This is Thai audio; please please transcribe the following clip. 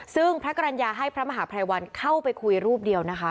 ซึ่งพระกรรณญาให้พระมหาภัยวันเข้าไปคุยรูปเดียวนะคะ